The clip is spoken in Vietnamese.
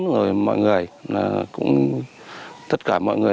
rồi mọi người cũng tất cả mọi người